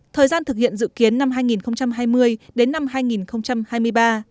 thời gian thực hiện dự kiến năm hai nghìn hai mươi đến năm hai nghìn hai mươi ba